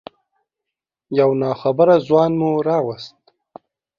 یو ناخبره ځوان مو راوست.